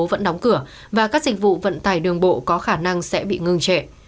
vẫn đóng cửa và các dịch vụ vận tải đường bộ có khả năng sẽ bị ngừng trệ